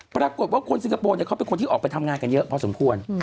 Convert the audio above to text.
ปรากฏว่าคนสิงคโปร์เขาเป็นคนที่ออกไปทำงานกันเยอะพอสมควร